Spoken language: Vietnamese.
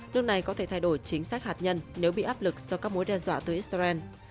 nước này có thể thay đổi chính sách hạt nhân nếu bị áp lực do các mối đe dọa tới israel